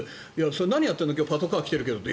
何をやってるの今日パトカー来てるけどって。